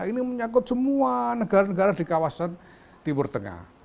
ini menyangkut semua negara negara di kawasan timur tengah